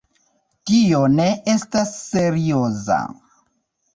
Tio ne estas serioza.